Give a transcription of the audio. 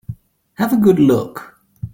Have a good look.